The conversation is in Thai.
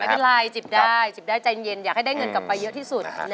ไม่เป็นไรจิบได้จิบได้ใจเย็นอยากให้ได้เงินกลับไปเยอะที่สุด